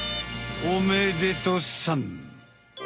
おめでとさん。